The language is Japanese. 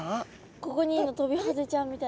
ここにいるのトビハゼちゃんみたい。